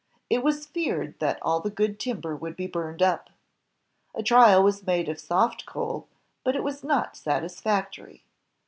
It was feared that all the good timber would be burned up. A trial was made of soft coal, but it was not satisfactory.